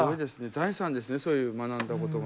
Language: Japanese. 財産ですねそういう学んだことが。